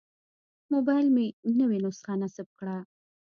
موبایل مې نوې نسخه نصب کړه.